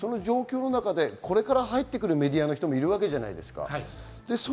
その中でこれから入ってくるメディアの人もいるわけです。